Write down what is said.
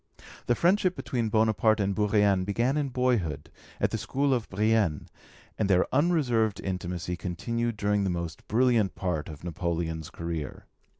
The friendship between Bonaparte and Bourrienne began in boyhood, at the school of Brienne, and their unreserved intimacy continued during the most brilliant part of Napoleon's career.